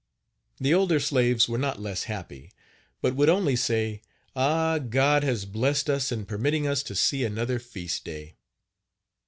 The older slaves were not less happy, but would only say: "Ah! God has blessed us in permitting us to see another feast day."